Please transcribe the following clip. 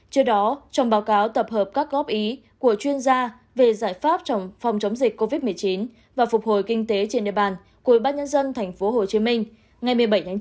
trước đó trong báo cáo tập hợp các góp ý của chuyên gia về giải pháp trong phòng chống dịch covid một mươi chín và phục hồi kinh tế trên địa bàn của bác nhân dân tp hcm ngày một mươi bảy tháng chín